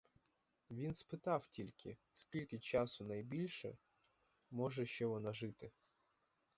Він спитав тільки, скільки часу найбільше може ще вона жити.